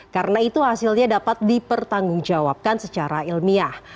karena itu hasilnya dapat dipertanggungjawabkan secara ilmiah